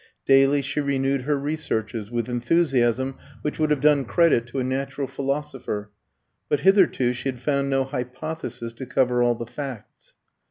Daily she renewed her researches, with enthusiasm which would have done credit to a natural philosopher, but hitherto she had found no hypothesis to cover all the facts.